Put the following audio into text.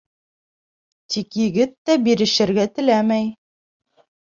Тик егет тә бирешергә теләмәй.